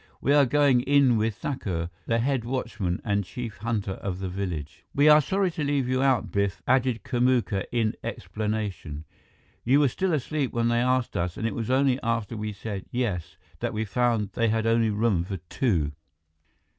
We are going in with Thakur, the head watchman and chief hunter of the village." "We are sorry to leave you out, Biff," added Kamuka in explanation. "You were still asleep when they asked us, and it was only after we said, 'Yes,' that we found they only had room for two."